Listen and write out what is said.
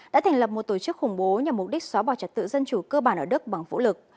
đã thành lập một tổ chức khủng bố nhằm mục đích xóa bỏ trật tự dân chủ cơ bản ở đức bằng vũ lực